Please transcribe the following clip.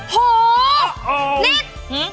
ฮือ